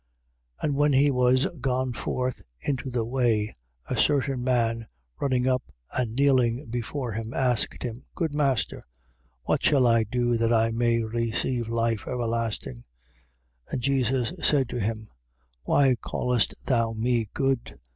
10:17. And when he was gone forth into the way, a certain man, running up and kneeling before him, asked him: Good Master, what shall I do that I may receive life everlasting? 10:18. And Jesus said to him: Why callest thou me good?